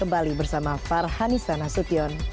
kembali bersama farhani sana sution